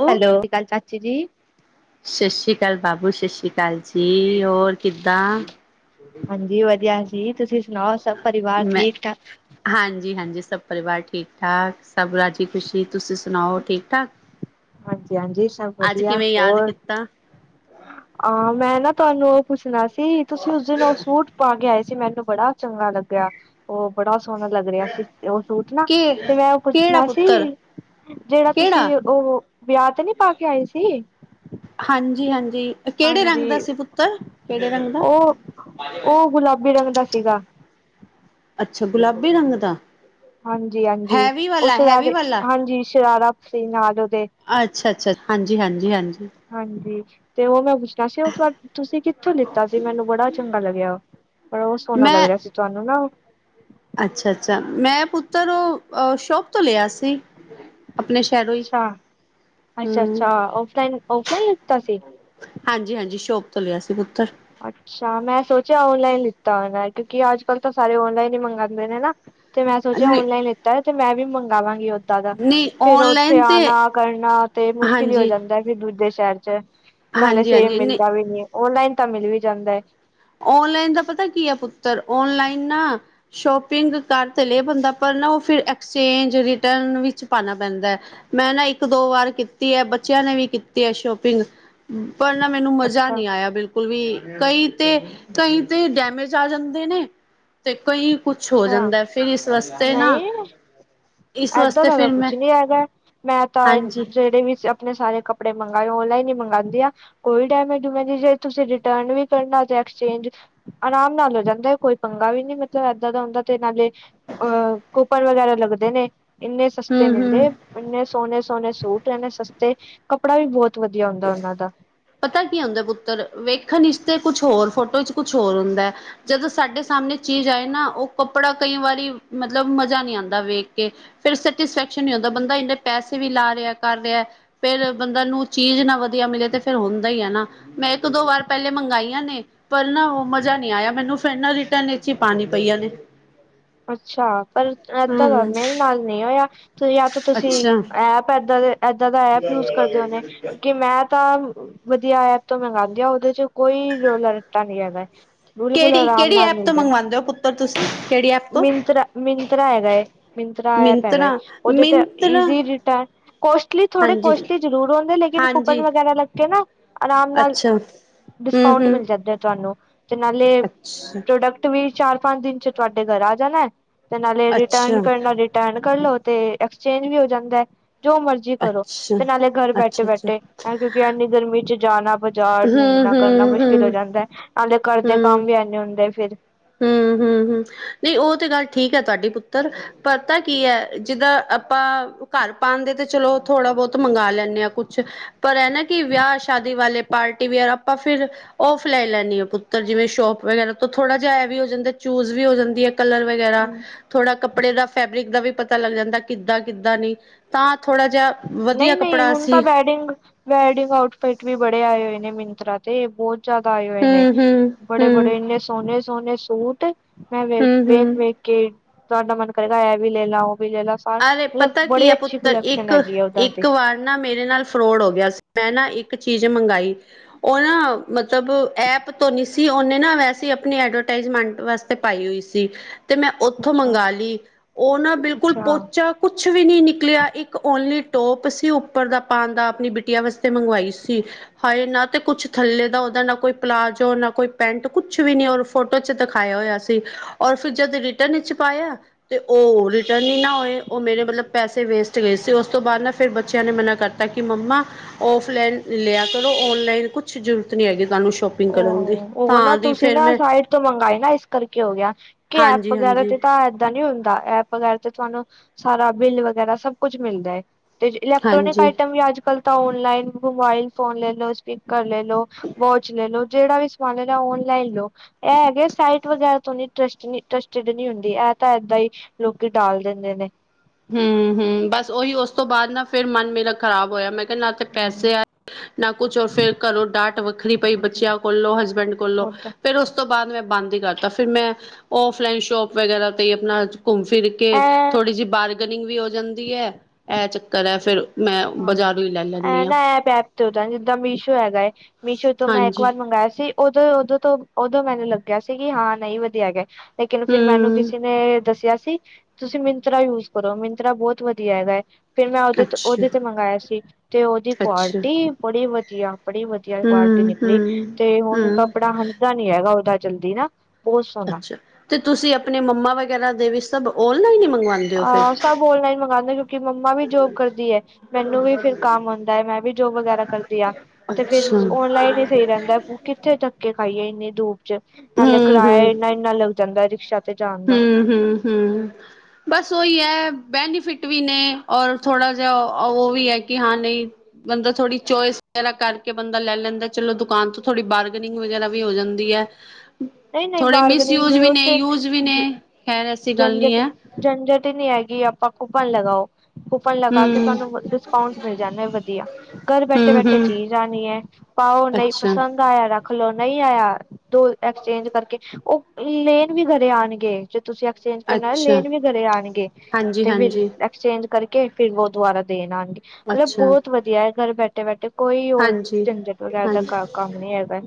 ਓ hello, ਸ਼੍ਰੀ ਕਾਲ ਚਾਚੀ ਜੀ। ਸਤਿ ਸ਼੍ਰੀ ਅਕਾਲ ਬਾਬੂ। ਸਤਿ ਸ਼੍ਰੀ ਅਕਾਲ ਜੀ। ਹੋਰ ਕਿੱਦਾਂ? ਹਾਂਜੀ ਵਧੀਆ ਜੀ। ਤੁਸੀਂ ਸੁਣਾਓ ਸਭ ਪਰਿਵਾਰ ਠੀਕ-ਠਾਕ? ਹਾਂਜੀ ਹਾਂਜੀ, ਸਭ ਪਰਿਵਾਰ ਠੀਕ-ਠਾਕ। ਸਭ ਰਾਜੀ ਖੁਸ਼ੀ, ਤੁਸੀਂ ਸੁਣਾਓ। ਠੀਕ-ਠਾਕ। ਹਾਂਜੀ-ਹਾਂਜੀ, ਸਭ ਅੱਜ ਵਧੀਆ ਕਿਵੇਂ ਯਾਦ ਕੀਤਾ। ਆਂ, ਮੈਂ ਨਾ ਤੁਆਨੂੰ ਓ ਪੁੱਛਣਾ ਸੀ, ਤੁਸੀਂ ਉਸ ਦਿਨ ਓ ਸੂਟ ਪਾ ਕੇ ਆਏ ਸੀ। ਮੈਨੂੰ ਬੜਾ ਚੰਗਾ ਲੱਗਿਆ। ਓ ਬੜਾ ਸੋਹਣਾ ਲੱਗ ਰਿਹਾ ਸੀ, ਓ ਸੂਟ ਨਾਂ ਕੇ ਤੇ ਮੈਂ ਓ ਕਿਹੜਾ ਪੁੱਛਣਾ ਸੀ। ਪੁੱਤਰ, ਜੇੜਾ ਕਿਹੜਾ? ਤੁਸੀਂ ਓ ਵਿਆਹ ਤੇ ਨੀਂ ਪਾ ਕੇ ਆਏ ਸੀ ਹਾਂਜੀ ਹਾਂਜੀ, ਕੇੜੇ ਰੰਗ ਦਾ ਹਾਂਜੀ, ਸੀ ਪੁੱਤਰ, ਕੇੜੇ ਰੰਗ ਦਾ। ਉਹ-ਉਹ ਗੁਲਾਬੀ ਰੰਗ ਦਾ ਸੀਗਾ। ਅੱਛਾ, ਗੁਲਾਬੀ ਰੰਗ ਦਾ। ਹਾਂਜੀ ਹਾਂਜੀ, ਹੈਵੀ ਓ ਵਾਲਾ, ਹੈਵੀ ਸ਼ਰਾਰੇ, ਵਾਲਾ। ਹਾਂਜੀ ਸ਼ਰਾਰਾ ਸੀ ਨਾਲ ਓਦੇ। ਅੱਛ ਅੱਛਾ। ਹਾਂਜੀ, ਹਾਂਜੀ, ਹਾਂਜੀ। ਹਾਂਜੀ ਤੇ ਓ ਮੈਂ ਪੁੱਛਣਾ ਸੀ, ਓ ਤੁਸੀਂ ਕਿੱਥੋਂ ਲਿੱਤਾ ਸੀ, ਮੈਨੂੰ ਬੜਾ ਚੰਗਾ ਲੱਗਿਆ ਓ। ਓਸ ਸੋਹਣਾ ਲੱਗ ਰਿਆ ਸੀ, ਤੁਆਨੂੰ ਨਾਂ। ਅੱਛ ਅੱਛਾ। ਮੈਂ ਪੁੱਤਰ, ਅ ਅ ਸ਼ੋਪ ਤੋਂ ਲਿਆ ਸੀ। ਆਪਣੇ ਸ਼ਹਿਰੋਂ ਈ। ਅੱਛ, ਅੱਛਾ। ਔਫਲਾਈਨ, ਔਫਲਾਈਨ ਲਿਤਾ ਸੀ। ਹਾਂਜੀ ਹਾਂਜੀ, ਸ਼ੋਪ ਤੋਂ ਲਿਆ ਸੀ ਪੁੱਤਰ। ਅੱਛਾ, ਮੈਂ ਸੋਚਿਆ ਔਨਲਾਈਨ ਲਿੱਤਾ ਹੋਏਗਾ ਕਿਉਂਕਿ ਅੱਜ-ਕਲ ਤਾਂ ਸਾਰੇ ਔਨਲਾਈਨ ਈ ਮੰਗਾਂਦੇ ਨੇ ਨਾ। ਤੇ ਮੈਂ ਸੋਚਿਆ ਨਹੀਂ ਔਨਲਾਈਨ ਲਿਤਾ ਐ ਤੇ ਮੈਂ ਵੀ ਮੰਗਾਵਾਂਗੀ ਓ ਤਾਦਾ ਨਹੀਂ ਫਿਰ ਓਥੇ ਔਨਲਾਈਨ ਤੇ ਆਣਾ, ਕਰਨਾ ਤੇ ਮੁਸ਼ਕਿਲ ਈ ਹੋ ਹਾਂਜੀ, ਜਾਂਦਾ ਫਿਰ ਦੂਜੇ ਸ਼ਹਿਰ ਚ। ਸਾਨੂੰ ਸੇਮ ਹਾਂਜੀ-ਹਾਂਜੀ ਨਹੀਂ ਮਿਲਦਾ ਵੀ ਨੀਂ ਏ, ਔਨਲਾਈਨ ਤਾਂ ਮਿਲ ਵੀ ਜਾਂਦਾ ਐ। ਔਨਲਾਈਨ ਦਾ ਪਤਾ ਕੀ ਏ ਪੁੱਤਰ, ਔਨਲਾਈਨ ਨਾਂ ਸ਼ੋਪਿੰਗ ਕਰ ਤੇ ਲੇ ਬੰਦਾ, ਪਰ ਨਾ ਓ ਫਿਰ ਐਕਸਚੇਂਜ, ਰਿਟਰਨ ਵਿੱਚ ਪਾਣਾ ਪੈਂਦਾ ਐ। ਮੈਂ ਨਾ ਇੱਕ-ਦੋ ਵਾਰ ਕੀਤੀ ਐ, ਬੱਚਿਆਂ ਨੇ ਵੀ ਕੀਤੀ ਐ ਸ਼ੋਪਿੰਗ ਪਰ ਨਾ ਮੈਨੂੰ ਮਜ਼ਾ ਅੱਛਾ ਨੀਂ ਆਇਆ ਬਿਲਕੁਲ ਵੀ। ਕਈ ਤੇ ਕਈ ਤੇ ਡੈਮੇਜ ਆ ਜਾਂਦੇ ਨੇ ਤੇ ਕਈ ਕੁਛ ਹੋ ਅੱਛਾ ਜਾਂਦਾ ਫਿਰ ਇਸ ਵਾਸਤੇ ਨਾ ਨਹੀਂ ਇਸ ਏਦਾਂ ਵਾਸਤੇ ਦਾ ਤਾਂ ਫਿਰ ਮੈਂ ਕੁਛ ਨੀਂ ਹੈਗਾ, ਮੈਂ ਤਾਂ ਹਾਂਜੀ ਜੇੜੇ ਵੀ ਸੀ ਅਪ ਆਪਣੇ ਸਾਰੇ ਕੱਪੜੇ ਮੰਗਾਏ, ਔਨਲਾਈਨ ਈ ਮੰਗਾਂਦੀ ਆਂ ਕੋਈ ਡੈਮੇਜ-ਡੂਮੇਜ ਨੀਂ, ਜੇ ਤੁਸੀਂ ਰਿਟਰਨ ਵੀ ਕਰਨਾ ਤੇ ਐਕਸਚੇਂਜ ਆਰਾਮ ਨਾਲ ਹੋ ਜਾਂਦਾ ਐ, ਕੋਈ ਪੰਗਾ ਵੀ ਨੀਂ ਮਤਲਬ ਏਦ ਦਾ ਹੁੰਦਾ ਤੇ ਨਾਲੇ ਅ ਕੂਪਨ ਵਗੈਰਾ ਲੱਗਦੇ ਨੇਂ, ਇੰਨੇ ਸਸਤੇ ਮਿਲਦੇ। ਹੂੰ-ਹੂੰ ਇੰਨੇ ਸੋਣੇ-ਸੋਣੇ ਸੂਟ ਇਨੇਂ ਸਸਤੇ, ਕੱਪੜਾ ਵੀ ਬੋਤ ਵਧੀਆ ਹੁੰਦਾ ਓਨਾਂ ਦਾ। ਪਤਾ ਕੀ ਹੁੰਦਾ ਪੁੱਤਰ, ਵੇਖਣ ਇੱਚ ਤੇ ਕੁਛ ਹੋਰ, ਫੋਟੋ ਇੱਚ ਕੁਛ ਹੋਰ ਹੁੰਦਾ। ਜਦੋਂ ਸਾਡੇ ਸਾਹਮਣੇ ਚੀਜ਼ ਆਏ ਨਾ ਉਹ ਕੱਪੜਾ ਕਈ ਵਾਰੀ ਮਤਲਬ ਮਜ਼ਾ ਨਹੀਂ ਆਂਦਾ ਵੇਖ ਕੇ। ਫਿਰ ਸੈਟਿਸਫੈਕਸ਼ਨ ਨੀ ਹੁੰਂਦਾ, ਬੰਦਾ ਇੰਨੇ ਪੈਸੇ ਵੀ ਲਾ ਰਿਹਾ, ਕਰ ਰਿਹਾ, ਫਿਰ ਬੰਦਾ ਨੂੰ ਚੀਜ਼ ਨਾ ਵਧੀਆ ਮਿਲੇ ਤੇ ਫਿਰ ਹੁੰਦਾ ਈ ਏ ਨਾ, ਮੈਂ ਇੱਕ -ਦੋ ਵਾਰ ਪਹਿਲੇ ਮੰਗਾਈਆਂ ਨੇ ਪਰ ਨਾ ਉਹ ਮਜ਼ਾ ਨਹੀਂ ਆਇਆ ਮੈਨੂੰ ਫਿਰ ਨਾ ਰਿਟਰਨ ਵਿੱਚ ਹੀ ਪਾਣੀ ਪਈਆਂ ਨੇ। ਅੱਛਾ! ਪਰ ਏਦਾਂ ਦਾ ਹੂੰ ਮੇਰੇ ਨਾਲ ਨਹੀਂ ਹੋਇਆ ਜਾਂ ਤਾਂ ਤੁਸੀਂ ਅੱਛਾ ਐਪ ਏਦਾਂ ਦੇ ਏਦਾਂ ਦਾ ਐਪ ਯੂਜ ਕਰਦੇ ਹੁਣੇ, ਕਿ ਮੈਂ ਤਾਂ ਵਧੀਆ ਐਪ ਤੋਂ ਮੰਗਾਂਦੀ ਆ, ਉਹਦੇ ਚ ਕੋਈ ਰੋਲਾ ਰੱਟਾ ਨੀ ਹੈਗਾ। ਬਿਲਕੁਲ ਆਰਾਮ ਕਿਹੜੀ-ਕਿਹੜੀ ਨਾਲ ਐਪ ਤੋਂ ਮਿਲਦੇ। ਮੰਗਵਾਉਂਦੇ ਹੋ ਪੁੱਤਰ ਤੁਸੀਂ ਕਿਹੜੀ ਐਪ ਤੋਂ ਮਿੰਤਰਾ- ਮਿੰਤਰਾ ਹੈਗਾ ਏ, ਮਿੰਤਰਾ ਐਪ ਹੈਗਾ ਏ, ਉਹਦੇ ਤੇ Myntra Myntra easy return, costly ਥੋੜੇ ਹਾਂਜੀ ਕੋਸਟਲੀ ਜ਼ਰੂਰ ਹੁੰਦੇ, ਲੇਕਿਨ ਕੁੂਪਨ ਹਾਂਜੀ ਵਗੈਰਾ ਲੱਗ ਕੇ ਨਾ ਆਰਾਮ ਨਾਲ ਅੱਛਾ ਹੂੰ ਡਿਸਕਾਉਂਟ ਹੂੰ ਮਿਲ ਜਾਂਦਾ ਤੁਹਾਨੂੰ ਤੇ ਨਾਲੇ ਅੱਛਾ ਪ੍ਰੋਡਕਟ ਵੀ ਚਾਰ -ਪੰਜ ਦਿਨ ਚ ਤੁਹਾਡੇ ਘਰ ਆ ਜਾਣਾ ਤੇ ਨਾਲੇ ਰਿਟਰਨ ਅੱਛਾ ਕਰਨਾ ਰਿ ਟਰਨ ਕਰ ਲੋ ਤੇ ਐਕਸਚੇਂਜ ਵੀ ਹੋ ਜਾਂਦਾ। ਜੋ ਮਰਜ਼ ਕਰੋ ਅੱਛਾ ਤੇ ਨਾਲੇ ਗਰ ਅੱਛਾ ਬੈਠੇ- ਅੱਛਾ ਬੈਠੇ, ਕਿਉਂਕਿ ਇੰਨੀ ਗਰਮੀ ਚ ਜਾਣਾ ਬਾਜ਼ਾਰ ਹੂੰ ਢੂੰਡਣਾ, ਕਰਨਾ, ਹੂੰ ਮੁਸ਼ਕਿਲ ਹੋ ਹੂੰ ਜਾਂਦਾ, ਨਾਲੇ ਘਰਦੇ ਹੂੰ ਕੰਮ ਵੀ ਐਨੇ ਹੁੰਦੇ ਫਿਰ ਹੂੰ, ਹੂੰ, ਹੂੰ ਨਹੀਂ ਉਹ ਤੇ ਗੱਲ ਠੀਕ ਹੈ ਤੁਹਾਡੀ ਪੁੱਤਰ ਪਤਾ ਕੀ ਹੈ ਜਿੱਦਾਂ ਆਪਾਂ ਘਰ ਪਾਂਦੇ ਤੇ ਚਲੋ ਥੋੜ੍ਹਾ ਬਹੁਤ ਮੰਗਾਂ ਲੈਂਨੇ ਆ ਕੁਛ ਪਰ ਐ ਨਾ ਕਿ ਵਿਆਹ ਸ਼ਾਦੀ ਵਾਲੇ ਪਾਰਟੀ ਵੀਅਰ ਆਪਾਂ ਫਿਰ ਓਫ ਲਈਨ ਲੈਨੀ ਆ ਪੁੱਤਰ, ਜਿਵੇਂ- ਸ਼ੋਪ ਵਗੈਰਾ ਤੋਂ ਥੋੜ੍ਹਾ ਜਿਹਾ ਐ ਵੀ ਹੋ ਜਾਂਦਾ ਚੂਜ ਵੀ ਹੋ ਜਾਂਦੀ ਐ ਕਲਰ ਵਗੈਰਾ ਥੋੜ੍ਹਾ ਕੱਪੜੇ ਦਾ ਫੈਬਰਿਕ ਦਾ ਵੀ ਪਤਾ ਲੱਗ ਜਾਂਦਾ। ਕਿੱਦਾਂ -ਕਿੱਦਾਂ ਨਹੀਂ ਤਾਂ ਥੋੜ੍ਹਾ ਜਿਹਾ ਵਧੀਆ ਨਈ-ਨਈ ਕੱਪੜਾ ਹੁਣ ਸੀ ਤਾਂ ਬੈਡਿੰਗ ਵੈਡਿੰਗ ਆਊਟਫਿਟ ਵੀ ਬੜੇ ਆਏ ਹੋਏ ਨੇ ਮਿੰਤਰਾ 'ਤੇ ਬਹੁ ਜ਼ਿਆਦਾ ਆਏ ਹੋਏ ਨੇ, ਹੂੰ ਹੂੰ ਹੂੰ ਬੜੇ-ਬੜੇ ਇੰਨੇ ਸੋਹਣੇ-ਸੋਹਣੇ ਸੂਟ ਮੈਂ ਵੇ ਹੂੰ ਹੂੰ ਵੇਖ-ਵੇਖ ਕੇ ਤੁਹਾਡਾ ਮਨ ਕਰੇਗਾ ਇਹ ਵੀ ਲੈ ਲਾ, ਓ ਵੀ ਲੈ ਲਾ। ਸਾਰ ਅਰੇ ਮਤਲਬ ਪਤਾ ਕੀ ਬੜੀ ਆ ਅੱਛੀ ਪੁੱਤਰ, ਕਲੈਕਸ਼ਨ ਹੈਗੀ ਆ ਉਦਾਂ ਤੇ ਇੱਕ-ਇੱਕ ਵਾਰ ਨਾ ਮੇਰੇ ਨਾਲ ਫਰੋਡ ਹੋ ਗਿਆ ਸੀ, ਮੈਂ ਨਾ ਇੱਕ ਚੀਜ਼ ਮੰਗਾਈ ਉਹ ਨਾ ਮਤਲਬ ਐਪ ਤੋਂ ਨੀ ਸੀ, ਉਹਨੇ ਨਾ ਵੈਸੇ ਆਪਣੀ ਐਡਵਰਟਾਈਜ਼ਮੈਂਟ ਵਾਸ ਤੇ ਪਾਈ ਹੋਈ ਸੀ 'ਤੇ ਮੈਂ ਉੱਥੋਂ ਮੰਗਾਂ ਲੀ, ਓ ਨਾ ਬਿਲਕੁਲ ਪੋ ਅੱਛਾ-ਅੱਛਾ ਕੁਛ ਵੀ ਨੀ ਨਿਕਲਿਆ, ਇੱਕ ਓਨਲੀ ਟੋਂਪ ਸੀ ਉੱਪਰ ਦਾ ਪਾਣ ਦਾ ਆਪਣੀ ਬਿਟੀਆਂ ਵਾਸਤੇ ਮੰਗਵਾਈ ਸੀ ਹਾਏ ਨਾ 'ਤੇ ਕੁਛ ਥੱਲੇ ਦਾ ਓਦਾ, ਨਾ ਕੋਈ ਪਲਾਜੋ, ਨਾ ਕੋਈ ਪੈਂਟ, ਕੁਛ ਵੀ ਨੀ ਔਰ ਫੋਟੋ 'ਚ ਦਿਖਾਇਆ ਹੋਇਆ ਸੀ। ਔਰ ਫਿਰ ਜਦ ਰਿਟਰਨ ਵਿੱਚ ਪਾਇਆ 'ਤੇ ਉਹ ਰਿਟਰਨ ਈ ਨਾ ਹੋਏ। ਉਹ ਮੇਰੇ ਮਤਲਬ ਪੈਸੇ ਵੇਸਟ ਗਏ ਸੀ, ਉਸ ਤੋਂ ਬਾਅਦ ਨਾ ਫੇਰ ਬੱਚਿਆਂ ਨੇ ਮਨਾ ਕਰਤਾ ਕਿ ਮੰਮਾ ਔਫਲਾਈਨ ਲਿਆ ਕਰੋ, ਔਨਲਾਈਨ ਕੁਛ ਜ਼ਰੂਰਤ ਨੀ ਹੈਗੀ ਤੁਹਾਨੂੰ ਸ਼ੋਪ ਓ, ਉਹ ਨਾ ਤੁਸੀਂ ਨਾ ਸਾਈਡ ਤੋਂ ਮੰਗਾਏ ਨਾ, ਇਸ ਕਰਕੇ ਹੋ ਗਿਆ। ਕੀ ਐਪ ਹਾਂਜੀ ਵਗੈਰਾ ਹਾਂਜੀ 'ਤੇ ਤਾਂ ਏ ਦਾ ਨੀ ਹੁੰਦਾ, ਐਪ ਵਗੈਰਾ 'ਤੇ ਤੁਹਾਨੂੰ ਸਾਰਾ ਬਿੱਲ ਵਗੈਰਾ ਸਭ ਕੁੱਝ ਮਿਲਦਾ ਏ। ਤੇ ਇਲੈਕਟ੍ਰੋਨਿਕ ਹਾਂਜੀ ਆਈਟਮ ਵੀ ਅੱਜ ਕੱਲ ਤਾਂ ਔਨਲਾਈਨ ਮੋਬਾਈਲ ਫੋਨ ਲੈ ਲੋ, ਸਪੀਕਰ ਲੈ ਲੋ, ਵੋ ਚ ਲੈ ਲੋ, ਜਿਹੜਾ ਵੀ ਸਮਾਨ ਲੈਣਾ ਔਨਲਾਈਨ ਲੋ। ਇਹ ਹੈਗੇ ਸਾਈਟ ਵਗੈਰਾ ਤੋਂ ਨੀ ਟਰਸਟ ਨੀ ਟਰੱਸਟਡ ਨੀ ਹੁੰਦੀ, ਐ ਤਾਂ ਏਦਾਂ ਈ ਲੋਕੀ ਡਾਲ ਦਿੰਦੇ ਨੇ। ਹੂੰ-ਹੂੰ ਬਸ ਉਹੀ ਉਸ ਤੋਂ ਬਾਅਦ ਨਾ ਫੇਰ ਮਨ ਮੇਲਾ ਖ਼ਰਾਬ ਹੋਇਆ, ਮੈਂ ਕਹਿ ਨਾ 'ਤੇ ਪੈਸੇ ਆ ਹਾਂ, ਨਾ ਕੁਛ ਔਰ ਫਿਰ ਘਰੋਂ ਡਾਟ ਵੱਖਰੀ ਪਈ ਬੱਚਿਆਂ ਕੋਲੋ, ਹਸਬੈਂਡ ਕੋਲੋਂ ਓਦਾਂ ਫਿਰ ਉਸ ਉੱਤੋਂ ਬਾਅਦ ਮੈਂ ਬੰਦ ਈ ਕਰਤਾ ਫਿਰ ਮੈਂ ਔਫਲਾਈਨ ਸ਼ੋਪ ਵਗੈਰਾ 'ਤੇ ਈ ਆਪਣਾ ਘੁੰਮ ਫਿਰ ਕੇ ਐ ਥੋੜੀ ਜੀ ਬਾਰਗਨਿੰਗ ਵੀ ਹੋ ਜਾਂਦੀ ਐ ਇਹ ਚੱਕਰ ਐ ਫਿਰ ਹਾਂ ਬਜ਼ਾਰੋਂ ਈ ਲੈ। ਐ ਲੈਂਦੀ ਹਾਂ ਨਾ ਐਪ-ਐਪ 'ਤੇ ਉਦਾਂ ਜ਼ਿੱਦਾ ਮੀਸ਼ੋ ਹੈਗਾ ਏ ਮੀਸ਼ੋ ਤੋਂ ਮੈਂ ਇੱਕ ਹਾਂਜੀ ਵਾਰ ਮੰਗਾਇਆ ਸੀ। ਉਦੋਂ-ਉਦੋਂ ਤੋਂ ਉਦੋਂ ਮੈਨੂੰ ਲੱਗਿਆ ਸੀ ਕਿ ਹਾਂ ਨਹੀਂ ਵਧੀਆ ਹੈਗਾ ਐ ਲੇਕਿਨ ਫਿਰ ਮੈਨੂੰ ਕਿਸ ਹੂੰ ਕਿਸੀ ਨੇ ਦੱਸਿਆ ਸੀ ਤੁਸੀਂ ਮਿੰਤਰਾ ਯੂਜ ਕਰੋ ਮਿੰਤਰਾ ਬਹੁਤ ਵਧੀਆ ਹੈਗਾ ਐ ਫਿਰ ਮੈਂ ਉਹਦੇ ਤੋਂ ਅੱਛਾ ਉਹਦੇ 'ਤੇ ਮੰਗਾਇਆ ਸੀ 'ਤੇ ਉਹਦੀ ਅੱਛਾ ਕੁਆਲਿਟੀ ਬੜੀ ਵਧੀਆ ਬੜੀ ਵ ਘਟੀਆ ਕੁਆਲਟੀ ਹੂੰ-ਹੂੰ ਨਿਕਲੀ ਹੂੰ 'ਤੇ ਹੁਣ ਹੂੰ ਕੱਪੜਾ ਹਟਾ ਨੀ ਹੈਗਾ ਉਦਾ ਜਲਦੀ ਨਾ। ਬਹੁਤ ਸੋਹਣਾ। ਅੱਛਾ 'ਤੇ ਤੁਸੀਂ ਆਪਣੇ ਮੰਮਾ ਵਗੈਰਾ ਦੇ ਵੀ ਸਭ ਔਨਲਾਈਨ ਈ ਮੰਗਵਾ ਹਾਂ ਸਭ ਔਨਲਾਈਨ ਮੰਗਾਦੇ ਕਿਉਂਕਿ ਮੰਮਾ ਵੀ ਜੋਬ ਕਰਦੀ ਐ। ਮੈਨੂੰ ਵੀ ਫਿਰ ਕੰਮ ਹੁੰਦਾ ਏ ਮੈਂ ਵੀ ਜੋਬ ਵਗੈਰਾ ਕਰਦੀ ਆ 'ਤੇ ਫਿਰ ਅੱਛਾ ਔਨਲਾਈਨ ਈ ਸਈ ਰਹਿੰਦਾ ਕਿੱਥੇ ਧੱਕੇ ਖਾਈਏ ਇੰਨੀ ਧੂਪ 'ਚ ਨਾਲੇ ਹਮ ਕਰਾਇਆ ਹਮ ਇੰਨਾ-ਇੰਨਾ ਲੱਗ ਜਾਂਦਾ ਰਿਕਸ਼ਾ 'ਤੇ ਜਾਣ ਦਾ। ਹੂੰ-ਹੂੰ। ਬਸ ਉਈ ਐ ਬੈਨੀਫਿਟ ਵੀ ਨੇ ਔਰ ਥੋੜਾ ਜਿਹਾ ਉਹ ਵੀ ਐ ਕਿ ਹਾਂ ਨਹੀਂ ਬੰਦਾ ਥੋੜੀ ਚੋਇਸ ਵਗੈਰਾ ਕਰਕੇ ਬੰਦਾ ਲੈ ਲੈਂਦਾ ਚਲੋ ਦੁਕਾਨ ਤੋਂ ਥੋੜੀ ਬਾਰਗਨਿੰਗ ਵਗੈਰਾ ਵੀ ਹੋ ਜਾਂਦੀ ਐ। ਨਹੀਂ ਨਹੀਂ ਬਾਰਗਨਿੰਗ ਵੀ ਉਹ ਨੇ ਤੇ ਯੂਜ ਵੀ ਨੇ ਖੈਰ ਐਸੀ ਗੱਲ ਨਹੀਂ ਜੰਜਟ ਹੈ ਜੰਜਟ ਈ ਨੀ ਹੈਗੀ ਆਪਾਂ ਕੁੱਪਣ ਲਗਾਓ। ਕੂਪਨ ਲਗਾ ਕੇ ਹਮ ਤੁਹਾਨੂੰ ਡਿਸਕਾਊਂਟ ਮਿਲ ਜਾਂਦਾ ਵਧੀਆ। ਘਰ ਹਮ ਬੈਠੇ-ਬੈਠੇ ਹਮ ਚੀਜ਼ ਆਣੀ ਐ ਪਾਓ ਨਹੀਂ ਅੱਛਾ ਪਸੰਦ ਗਾਇਆ ਰੱਖ ਲੋ ਨਈ ਆਇਆ ਦੋ ਐਕਸਚੇਂਜ ਕਰਕੇ ਉਹ ਲੇਨ ਵੀ ਘਰੇ ਆਣਗੇ ਜੇ ਤੁਸੀਂ ਅ ਐਕਸਚੇਂਜ ਕਰਨਾ ਐ ਅੱਛਾ ਲੇਨ ਵੀ ਗਰੇ ਆਣਗੇ ਹਾਂਜੀ 'ਤੇ ਫਿਰ ਹਾਂਜੀ ਅ ਐਕਸਚੇਂਜ ਕਰਕੇ ਫਿਰ ਵੋ ਦੁਬਾਰਾ ਦੇਣ ਆਣਗੇ ਮਤਲਬ ਅੱਛਾ ਬਹੁਤ ਵਧੀਆ ਐ ਘਰ ਬੈਠੇ-ਬੈਠੇ ਕੋਈ ਹੋਰ ਹਾਂਜੀ ਝੰਜਟ ਵਗੈਰਾ ਦਾ ਹਾਂਜੀ ਘਰ ਕੰਮ ਨੀ ਹੈਗਾ,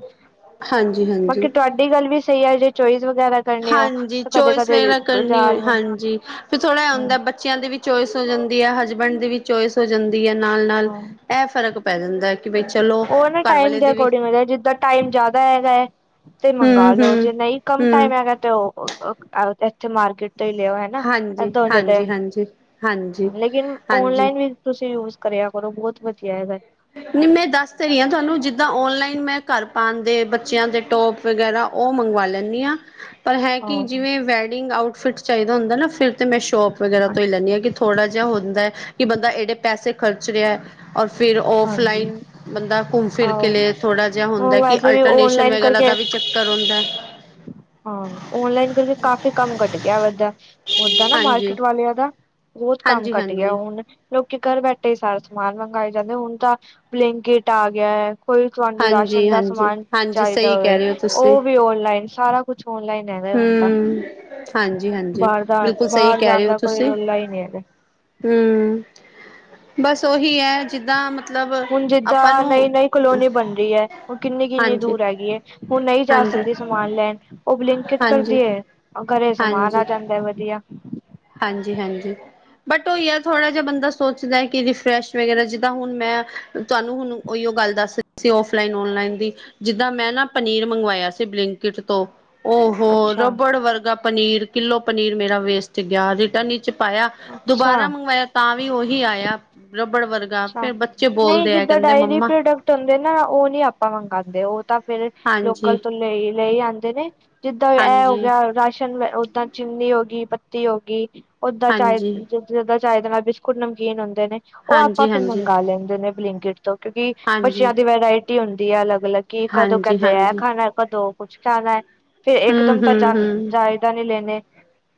ਹਾਂਜੀ ਬਾਕੀ ਹਾਂਜੀ ਤੁਹਾਡੀ ਗੱਲ ਵੀ ਸਈ ਐ ਜੇ ਚੋਇਜ਼ ਵਗੈਰਾ ਕਰਨੀ ਹੋ ਹਾਂਜੀ ਤਾਂ ਕਦੇ ਚੋਇਸ ਕਦੇ ਵਗੈਰਾ ਕਰਨੀ ਬਾਜ਼ਾਰ ਹੋਏ ਹਾਂਜੀ ਫਿਰ ਥੋੜਾ ਐ ਹੁੰਦਾ ਹਮ ਬ ਬੱਚਿਆਂ ਦੀ ਵੀ ਚੋਇਸ ਹੋ ਜਾਂਦੀ ਐ, ਹਸਬੈਂਡ ਦੀ ਵੀ ਚੋਇਸ ਹੋ ਜਾਂਦੀ ਐ, ਨਾਲ-ਨਾਲ ਹਾਂ ਐ ਫ਼ਰਕ ਪੈ ਜਾਂਦਾ ਕਿ ਬਈ ਚਲੋ ਉਹ ਨਾ ਘਰ ਟਾਈਮ ਵਾਲੇ ਦੇ ਦੀ ਵੀ ਅਕੋਰਡਿੰਗ ਜਿੱਦਾਂ ਟਾਈਮ ਜਿਆਦਾ ਹੈਗਾ ਤੇ ਮੰਗਾ ਹਮ ਲੋ, ਹਮ ਜੇ ਨਹੀਂ ਕੰਮ ਟਾਈਮ ਹਮ ਹੈਗਾ ਤੇ ਓਹ ਉ ਅਕ ਐਥੇ ਮਾਰਕੀਟ ਤੋਂ ਈ ਲਿਆ ਹਾਂਜੀ ਹੋਏ [unintelligible] ਜਟੇ ਹਾਂਜੀ ਹਾਂਜੀ ਹਾਂਜੀ ਲੇਕਿਨ ਹਾਂਜੀ ਔਨਲਾਈਨ ਵੀ ਤੁਸੀਂ ਯੂਸ ਕਰਿਆ ਕਰੋ ਬੋਤ ਵਧੀਆ ਹੈਗਾ। ਨਹੀਂ ਮੈਂ ਦੱਸ ਤੇ ਰੀ ਆਂ ਤੁਹਾਨੂੰ ਜਿੱਦਾਂ ਔਨਲਾਈਨ ਮੈਂ ਘਰ ਪਾਣ ਦੇ ਬੱਚਿਆਂ ਦੇ ਟੋਪ ਵਗੈਰਾ ਓਹ ਮੰਗਵਾ ਲੈਂਣੀ ਆਂ ਪਰ ਹੈ ਕਿ ਆਹੋ ਜਿਵੇਂ ਵੈਡਿੰਗ ਆਊਟਫਿਟ ਚਾਹੀਦਾ ਹੁੰਦਾ ਨਾ ਫਿਰ ਤੇ ਮੈਂ ਸ਼ੋਪ ਵਗੈਰਾ ਤੋਂ ਈ ਲੈਂਣੀ ਆਂ ਕਿ ਥੋੜਾ ਜਾ ਹੁੰਦਾ ਕਿ ਬੰਦਾ ਏਡੇ ਪੈਸੇ ਖਰਚ ਰਿਹਾ ਔਰ ਫਿਰ ਹਾਂਜੀ ਔਫਲਾਈਨ ਬੰਦਾ ਘੁੰਮ ਫਿਰ ਕੇ ਲੇ ਆਹੋ ਥੋੜਾ ਜਾ ਹੁੰਦਾ ਕਿ ਵੈਸੇ ਵੀ ਅਲਟਰਨੇਸ਼ਨ ਓਨਲਾਈਨ ਵਗੈਰਾ ਦਾ ਕਰਕੇ ਵੀ ਕਰਾਉਂਦਾ ਹਾਂ, ਔਨਲਾਈਨ ਕਰਕੇ ਕਾਫੀ ਕੰਮ ਘੱਟ ਗਿਆ ਵਦਾ ਓਦਾਂ ਨਾ ਹਾਂਜੀ ਮਾਰਕੀਟ ਵਾਲਿਆਂ ਦਾ ਬੌਤ ਕੰਮ ਹਾਂਜੀ ਘੱਟ ਗਿਆ। ਹਾਂਜੀ ਹੁਣ ਲੋਕੀ ਘਰ ਬੈਠੇ ਹੀ ਸਾਰਾ ਸਮਾਨ ਮੰਗਾਏ ਜਾਂਦੇ, ਹੁਣ ਤਾਂ ਬਲਿੰਕੇਟ ਆ ਗਿਆ। ਕੋਈ ਵੀ ਤੁਹਾਨੂੰ ਰਾਸ਼ਨ ਹਾਂਜੀ ਦਾ ਹਾਂਜੀ ਸਮਾਨ ਹਾਂਜੀ ਚਾਈਦਾ ਸਹੀ ਕਹਿ ਹੋਵੇ ਰਹੇ ਹੋ ਤੁਸੀਂ ਓਹ ਵੀ ਔਨਲਾਈਨ ਸਾਰਾ ਕੁਛ ਔਨਲਾਈਨ। ਹੈਗਾ ਹੁਣ ਤਾਂ ਹੂੰ, ਹਾਂਜੀ-ਹਾਂਜੀ ਬਾਹਰ ਦਾ ਬਿਲਕੁਲ ਸਹੀ ਬਾਹਰ ਕਹਿ ਜਾਣ ਰਹੇ ਔ ਦਾ ਕੋਈ ਤੁਸੀਂ। ਰੌਲਾ ਹੀ ਨਹੀਂ ਹੈਗਾ ਹੂੰ, ਬਸ ਓਹੀ ਹੈ ਜਿੱਦਾਂ ਮਤਲਬ ਹੁਨ ਆਪਾਂ ਜਿੱਦਾਂ ਨੂੰ ਨਈਂ ਨਈਂ ਕਲੋਨੀ ਬਨ ਰੀ ਐ। ਹੁਨ ਕਿੰਨੀ, ਕਿੰਨੀ ਹਾਂਜੀ ਦੂਰ ਹੈਗੀ ਏ। ਹੁਨ ਨਹੀਂ ਜਾ ਹਾਂਜੀ ਸਕਦੇ ਸਨ ਸਮਾਨ ਲੈਨ ਔ ਬਲਿੰਕੀਟ ਕਰਦੀ ਹਾਂਜੀ ਏ। ਘਰੇ ਸਮਾਨ ਆ ਜਾਂਦੈ ਵਧੀਆ। ਹਂਜੀ, ਹਂਜੀ। ਬਟ ਓਈ ਐ ਥੋੜਾ ਜਾ ਬੰਦਾ ਸੋਚਦੈ ਕਿ ਰਿਫਰੈਸ਼ ਵਗੈਰਾ। ਜਿੱਦਾਂ ਹੁਨ ਮੈਂ ਤੁੱਨੂੰ ਹੁਨ ਔਈਔ ਗੱਲ ਦੱਸ ਰੀ ਸੀ ਔਫਲਾਈਨ, ਔਨਲਾਈਨ ਦੀ। ਜਿੱਦਾਂ ਮੈਂ ਨਾ ਪਨੀਰ ਮੰਗਵਾਇਆ ਸੀ ਬਲਿੰਕਟ ਤੋਂ ਔਹੋ ਅੱਛਾ ਰਬੜ ਵਰਗਾ ਪਨੀਰ ਕਿੱਲੋ ਪਨੀਰ ਮੇਰਾ ਵੇਸਟ ਗਿਆ। ਰਿਟਰਨ ਇਚ ਪਾਇਆ। ਅੱਛਾ ਦੁਬਾਰਾ ਮੰਗਵਾਇਆ ਤਾਂ ਵੀ ਔਹੀ ਆਯਾ ਰੱਬੜ ਵਰਗਾ ਅੱਛਾ ਫੇਰ ਬੱਚੇ ਨਹੀਂ ਬੋਲਦੇ ਆ ਜਿੱਦਾਂ ਕਹਿੰਦੇ ਡਾਇਰੀ ਮੰਮਾ ਪ੍ਰੋਡਕਟ ਹੁੰਦੇ ਨਾ ਓਹ ਨੀ ਆਪਾਂ ਮੰਗਾਦੇ। ਓਹ ਤਾਂ ਫੇਰ ਲੋਕਲ ਹਾਂਜੀ ਤੋਂ ਲਈ ਲਈ ਆੰਦੇ ਨੇ। ਜਿੱਦਾਂ ਐ ਹੋ ਹਾਂਜੀ ਗਿਆ ਰਾਸ਼ਨ, ਓਦਾਂ ਚੀਨੀ ਹੋ ਗੀ ਪੱਤੀ ਹੋ ਗੀ। ਓਦਾਂ ਚਾਏ ਹਾਂਜੀ, ਜੋੱਦਾਂ ਚਾਏ ਦੇ ਨਾਲ ਬਿਸਕੁਟ, ਨਮਕੀਨ ਹੁੰਦੇ ਨੇ ਓਹ ਹਾਂਜੀ, ਆਪਾਂ ਹਾਂਜੀ, ਲੈ ਲੈਂਦੇ ਨੇ ਬਲਿੰਕਿਟ ਤੋਂ ਕਿਉਂਕਿ ਹਾਂਜੀ, ਬੱਚਿਆਂ ਦੀ ਵਰਾਇਟੀ ਹੁੰਦੀ ਏ ਅਲੱਗ, ਅਲੱਗ। ਕਿ ਕਦੋਂ ਹਾਂਜੀ, ਕੈਦੇ ਐਹ ਹਾਂਜੀ। ਖਾਨੈ, ਕਦੋਂ ਕੁਛ ਖਾਨੈ ਫੇਰ ਇੱਕ ਹੂੰ, ਦਮ ਤਾਂ ਹੂੰ, ਜਾਨ ਹੂੰ, ਜਾਇਡਾ ਨੀ ਲੈਨੇ।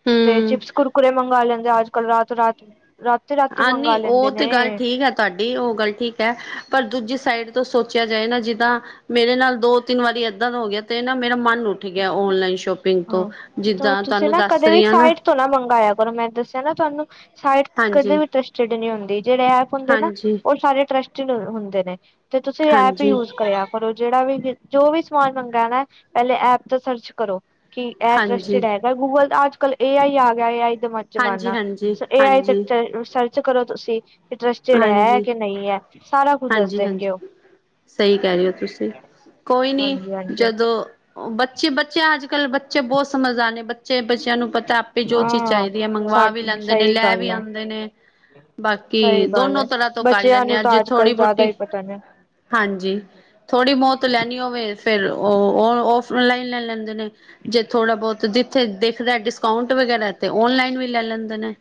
ਹੂੰ। ਤੇ ਚਿਪਸ, ਕੁਰਕੁਰੇੇ ਮੰਗਾ ਲੈਂਦੇ ਅੱਜ-ਕੱਲ ਰਾਤ, ਰਾਤ ਨੂੰ। ਰਾਤ ਆਨੀ ਔਹ ਤੇ ਗੱਲ ਠੀਕ ਐ। ਤੁੱਡੀ ਔ ਗੱਲ ਠੀਕ ਐ। ਪਰ ਦੂਜੀ ਸਾਈਡ ਤੋਂ ਸੋਚਿਆ ਜਾਏ ਨਾ ਜਿਦਾਂ ਮੇਰੇ ਨਾਲ ਦੋ-ਤਿੰਨ ਵਾਰੀ ਐਦਾਂ ਦਾ ਹੋ ਗਿਆ। ਤੇ ਨਾ ਮੇਰਾ ਮਨ ਉਠ ਗਿਐ ਔਨਲਾਈਨ ਸ਼ੋਪਿੰਗ ਤੋਂ। ਹਾਂ ਜਿੱਦਾਂ ਤਾਨੂੰ ਦੱਸ ਰੀਆਂ ਨਾ ਭਲਾ ਮੰਗਾਇਆ ਕਰੋ। ਮੈਂ ਦੱਸਿਆ ਨਾ ਤੁੱਨੂੰ ਸਾਈਡ ਕਦੇ ਹਾਂਜੀ, ਵੀ ਟ੍ਰਸਟਿਡ ਨੀ ਹੁੰਦੀ ਜੇੜੇ ਐਪ ਹੁੰਦੇ ਨਾ ਹਾਂਜੀ, ਓਹ ਸਾਰੇ ਟ੍ਰਸਟੀਡ ਹੁੰਦੇ ਨੇ। ਤੇ ਤੁਸੀਂ ਐਪ ਹੀ ਹਾਂਜੀ, ਹਾਂਜੀ। ਯੂਜ ਕਰਿਆ ਕਰੋ। ਜੇੜਾ ਵੀ ਜੋ ਵੀ ਸਮਾਨ ਮੰਗਾਨੈ ਪੈਲੇ ਐਪ ਤੋਂ ਸਰਚ ਕਰੋ। ਕਿ ਐ ਹਾਂਜੀ, ਟ੍ਰਸਟੀਡ ਹੈਗਾ ਗੂਗਲ, ਅੱਜ-ਕੱਲ ਏ ਆਈ ਆ ਗਿਆ ਏ ਆਈ। ਨਵਾਂ ਹਾਂਜੀ, ਜ਼ਮਾਨਾ ਹਾਂਜੀ, ਸੋ ਏ ਆਈ ਤੇ ਹਾਂਜੀ, ਟ ਸਰਚ ਕਰੋ ਤੁਸੀਂ। ਕਿ ਟ੍ਰਸਟਿਡ ਹੈ ਹਾਂਜੀ, ਕਿ ਨਹੀਂ ਹੈ ਸਾਰਾ ਕੁਝ ਦੱਸ ਹਾਂਜੀ। ਦੇਨਗੇ ਔਹ ਸਹੀ ਕੈ ਰੇ ਔ ਤੁਸੀਂਕੋਈ ਨੀ ਹਾਂਜੀ ਹਾਂਜੀ ਜਦੋਂ ਬੱਚੇ ਬੱਚਿਆਂ ਅੱਜ-ਕੱਲ੍ਹ ਬੱਚੇ ਬੌਤ ਸਮਝਦਾਰ ਨੇ ਬੱਚੇ ਬੱਚਿਆਂ ਨੂੰ ਪਤੈ ਭੀ ਜੋ ਚੀਜ਼ ਹਾਂ ਚੈਦੀ ਐ ਸਾ ਮੰਗਵਾ ਵੀ ਲੈਂਦੇ ਨੇ ਸਹੀ ਲੈ ਵੀ ਗੱਲ ਹੈ ਆੰਦੇ ਨੇ। ਬਾਕੀ ਸਹੀ ਗੱਲ ਦੋਨੋ ਹੈ ਤਰ੍ਹਾਂ ਤੋਂ ਕਰ ਬੱਚਿਆਂ ਲੈਂਨੇ ਨੂੰ ਆਂ। ਤਾਂ ਜੇ ਅੱਜ ਥੋੜੀ ਕੱਲ੍ਹ ਜ਼ਿਆਦਾ ਬੋਤੀ ਹੀ ਪਤਾ ਨੇ ਹਾਂਜੀ, ਥੋੜ੍ਹੀ ਬੌਂਤ ਲੈਨੀ ਹੋਵੇ ਫੇਰ ਔਹ ਔਫਲਾਈਨ ਲੈ ਲੈਂਦੇ ਨੇ। ਜੇ ਥੋੜਾ ਬੌਤ ਜਿੱਥੇ ਦੇਖਦੈ ਡਿਸਕਾਊਂਟ ਵਗੈਰਾ ਤੇ ਔਨਲਾਈਨ ਵੀ ਲੈ ਲੈਂਦੇ ਨੇ।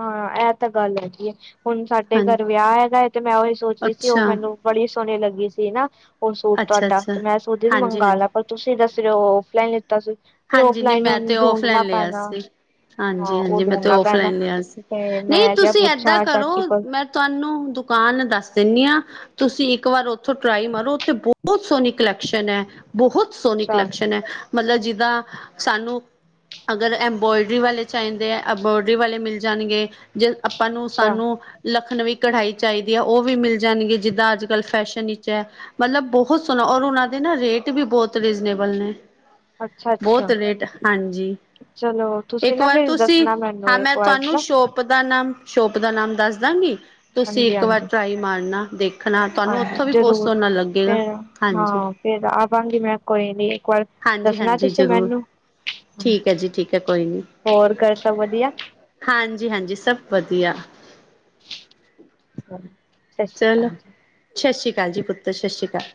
ਹਾਂ ਇਹ ਤਾਂ ਗੱਲ ਹੈਗੀ ਏ। ਹੁਨ ਸਾਡੇ ਹਾਂਜੀ ਘਰ ਵਿਆਹ ਹੈਗਾ ਏ ਤੇ ਮੈਂ ਉਹੀ ਸੋਚਰੀ ਸੀ। ਉਹ ਅੱਛਾ ਮੈਨੂੰ ਬੜੀ ਸੋਹਨੀ ਲੱਗੀ ਸੀ ਨਾ। ਔਹ ਸੂਟ ਅੱਛਾ ਤੁੱਡਾ ਅੱਛਾ ਤੇ ਮੈਂ ਸੋਚਿਆ ਸੀ ਹਾਂਜੀ ਮੰਗਵਾ ਹਾਂਜੀ ਲਾ ਪਰ ਤੁਸੀਂ ਦੱਸ ਰੇਓ ਔਫਲਾਈਨ ਲਿੱਤਾ ਸੀ। ਫਿਰ ਹਾਂਜੀ, ਨੀ ਔਫਲਾਈਨ ਮੈਂ ਹੁਣ ਤੇ ਢੂੰਡਣਾ ਔਫਲਾਈਨ ਲਿਆ ਪੈਣਾ ਸੀ। ਹਾਂ ਹਂਜੀ, ਉਹ ਹਂਜੀਮੈਂ ਤੇ ਢੂੰਡਣਾ ਪੈਣਾ ਔਫਲਾਈਨ ਲਿਆ ਸੀ। ਤੇ ਮੈਂ ਕਿਹਾ ਨਹੀਂਤੁਸੀਂ ਏਦਾਂ ਪੁੱਛਾਂ ਕਰੋ। ਚਾਚੀ ਕੋਲ ਮੈਂ ਤੁੱਨੂੰ ਦੁਕਾਨ ਦੱਸ ਦੇਨੀ ਆਂ। ਤੁਸੀਂ ਇੱਕ ਵਾਰ ਉਥ ਟ੍ਰਾਈ ਮਾਰੋ, ਉੱਥੇ ਬੋੱਤ ਸੋਹਨੀ ਕਲੈਕਸ਼ਨ ਹੈ। ਬੋੱਤ ਸੋਹਨੀ ਅੱਛਾ ਕਲੈਕਸ਼ਨ ਹੈ। ਮਤਲਬ ਜਿ ਦਾ ਸਾਨੂੰ। ਅਗਰ ਅਬਰੋਇਡਰੀ ਵਾਲੇ ਚੈਦੇ ਆ ਅਬਰੋਇਡਰੀ ਵਾਲੇ ਮਿਲ ਜਾਨਗੇ। ਜੇ ਆਪਾਂ ਨੂੰ ਅੱਛਾ ਸਾਨੂੰ ਲਖਨਵੀਂ ਕਢਾਈ ਚੈਦੀਹੈ ਉਹ ਵੀ ਮਿਲ ਜਾਣਗੇ। ਜਿੱਦਾਂ ਅੱਜ-ਕੱਲ ਫੈਸ਼ਨ ਵਿੱਚ ਹੈ। ਮਤਲਬ ਬੋੱਤ ਸੋਹਨਾ ਔਰ ਉਨਾਂ ਦੇ ਨਾ ਰੇਟ ਵੀ ਬੋੱਤ ਰੀਜ਼ਨੇਬਲ ਨੇ। ਅੱਛਾ ਬੋੱਤ ਅੱਛਾ ਰੇਟ ਹਂਜੀ, ਚਲੋ ਤੁਸੀਂ ਇੱਕ ਨਾ ਵਾਰ ਫਿਰ ਤੁਸੀਂ ਦੱਸਣਾ ਹਾਂ ਮੈਨੂੰ ਇੱਕ ਮੈਂ ਵਾਰ ਤੁੱਨੂੰ ਨਾ ਸ਼ੋਪ ਸੋ਼ਪ ਦਾ ਨਾਮ ਸ਼ੋਪ ਦਾ ਨਾਮ ਦੱਸ ਦਾਂਗੀ। ਤੁਸੀਂ ਹਾਂਜੀ ਇੱਕ ਵਾਰ ਹਾਂਜੀ ਟਰਾਈ ਮਾਰਨਾ ਦੇਖ। ਹਾਂਜੀ, ਜਰੂਰ ਫੇਰ ਹਾਂਜੀ ਹਾਂ ਫੇਰ ਆਵਾਂਗੀ ਮੈ ਕੋਈ ਨੀ ਇੱਕ ਵਾਰ ਹਾਂਜੀ ਦੱਸਣਾ ਹਾਂਜੀ ਤੁਸੀਂ ਜਰੂਰ, ਮੈਨੂੰ ਠੀਕ ਐ ਜੀ, ਠੀਕ ਐ ਕੋਈ ਨੀ। ਹੋਰ ਘਰ ਸਭ ਵਧੀਆ ਹਾਂਜੀ, ਹਾਂਜੀ ਸਬ ਵਧੀਆ। ਸਾਸ਼੍ਰੀਕਾਲ ਜੀ। ਸ਼ਸ਼੍ਰੀਕਾਲ ਜੀ ਪੁੱਤਰ, ਸ਼ਸ਼੍ਰੀਕਾਲ।